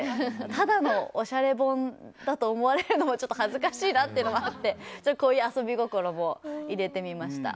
ただのおしゃれ本だと思われるのも恥ずかしいと思ってこういう遊び心も入れてみました。